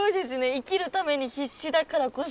生きるために必死だからこそ。